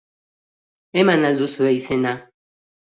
Eman al duzue izena?